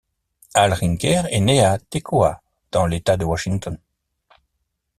Al Rinker est né à Tekoa dans l'état de Washington.